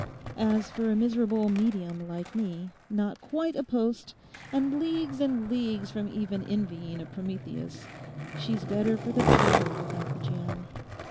As for a miserable "medium" like me, not quite a post and leagues and leagues from even envying a Prometheus, she's better for the powder without the jam.